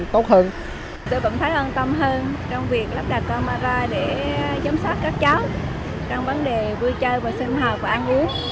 trong vấn đề vui chơi và sinh hoạt và ăn uống